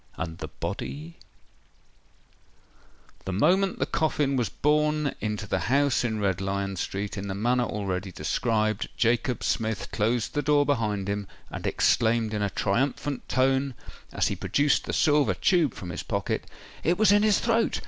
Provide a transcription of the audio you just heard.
And the body—— The moment the coffin was borne into the house in Red Lion Street, in the manner already described, Jacob Smith closed the door behind him, and exclaimed in a triumphant tone, as he produced the silver tube from his pocket, "It was in his throat!